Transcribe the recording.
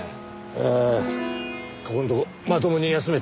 ああここんとこまともに休めてねえからな。